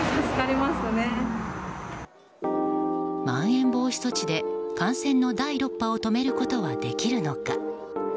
まん延防止措置で感染の第６波を止めることはできるのか。